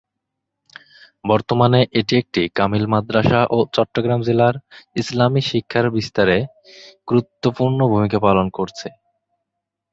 বর্তমানে এটি একটি কামিল মাদ্রাসা ও চট্টগ্রাম জেলার ইসলামি শিক্ষার বিস্তারে গুরুত্বপূর্ণ ভূমিকা পালন করছে।